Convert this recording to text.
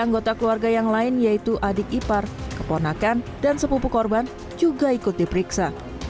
anggota keluarga yang lain yaitu adik ipar keponakan dan sepupu korban juga ikut diperiksa